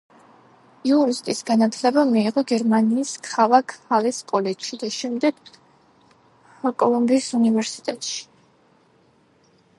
იურისტის განათლება მიიღო გერმანიის ქალაქ ჰალეს კოლეჯში და შემდეგ კოლომბოს უნივერსიტეტში.